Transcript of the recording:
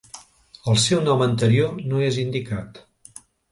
El seu nom anterior no és indicat.